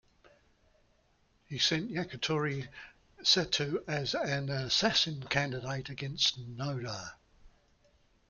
He sent Yukari Sato as an "assassin" candidate against Noda.